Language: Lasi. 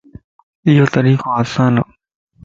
ايو طريقو آسان ا